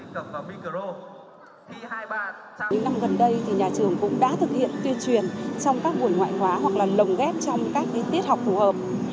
trong những năm gần đây nhà trường cũng đã thực hiện tuyên truyền trong các buổi ngoại hóa hoặc lồng ghép trong các tiết học phù hợp